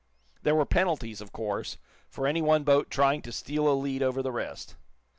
There were penalties, of course, for any one boat trying to steal a lead over the rest.